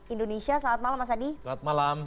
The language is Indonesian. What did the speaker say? indonesia selamat malam mas adi selamat malam